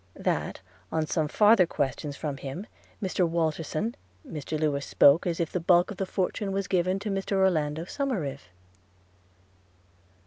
– That, on some farther questions from him, Mr Walterson, Mr Lewes spoke as if the bulk of the fortune was given to Mr Orlando Somerive.